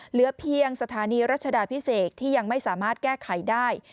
เหลือเพียงสถานีรัชดาพิเศษที่ยังไม่สามารถแก้ไขได้